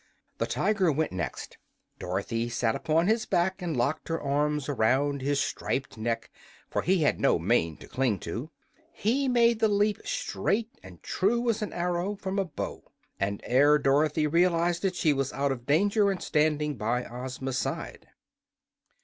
The Tiger went next. Dorothy sat upon his back and locked her arms around his striped neck, for he had no mane to cling to. He made the leap straight and true as an arrow from a bow, and ere Dorothy realized it she was out of danger and standing by Ozma's side.